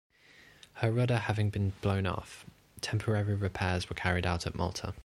Her rudder having been blown off, temporary repairs were carried out at Malta.